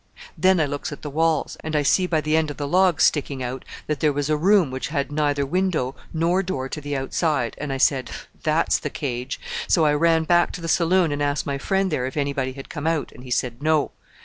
"Then I looks at the walls, and I see by the end of the logs sticking out that there was a room which had neither window nor door to the outside, and I said, 'That's the cage!' So I ran back to the saloon and asked my friend there if anybody had come out, and he said 'No.'